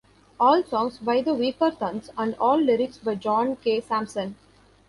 All songs by The Weakerthans and all lyrics by John K. Samson.